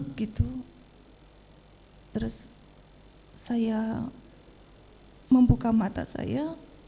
kayak gerak gitu terus saya membuka mata saya